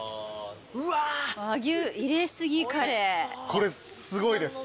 これすごいです。